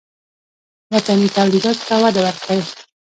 وطني تولیداتو ته وده ورکړئ